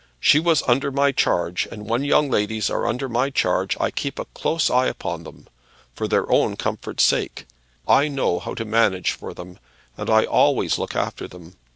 She was under my charge; and when young ladies are under my charge I keep a close eye upon them, for their own comfort's sake. I know how to manage for them, and I always look after them.